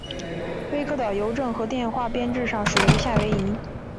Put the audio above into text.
威克岛邮政和电话编制上属于夏威夷。